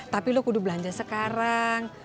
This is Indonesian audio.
tapi lo kudu belanja sekarang